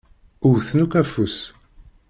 Wwten akk afus.